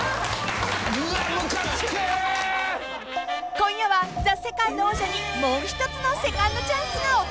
［今夜はＴＨＥＳＥＣＯＮＤ王者にもう一つのセカンドチャンスが訪れちゃう！？］